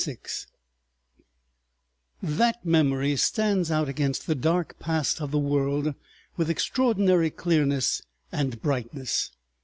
§ 5 That memory stands out against the dark past of the world with extraordinary clearness and brightness.